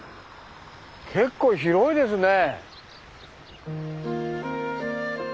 結構広いですね。